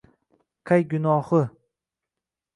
Qay gunohi